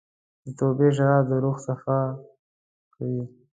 د توبې ژړا د روح صفا کوي.